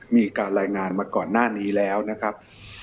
มีการรายงานมาก่อนหน้านี้แล้วนะครับ